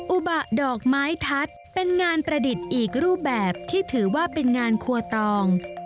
อุบะดอกไม้ทัศน์เป็นงานประดิษฐ์อีกรูปแบบที่ถือว่าเป็นงานครัวตอง